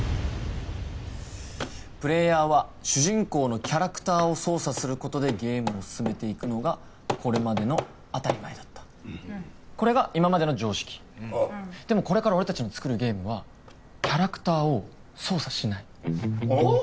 プレイヤーは主人公のキャラクターを操作することでゲームを進めていくのがこれまでの当たり前だったうんこれが今までの常識おうでもこれから俺達の作るゲームはキャラクターを操作しないほお？